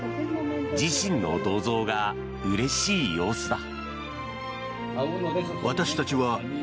自身の銅像がうれしい様子だ。